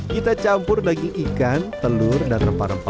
kita campur daging ikan telur dan rempah rempah